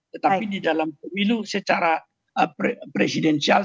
tetapi di dalam pemilu secara presidensial